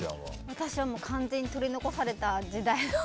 私は完全に取り残された時代の。